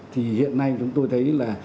thì hiện nay chúng tôi thấy là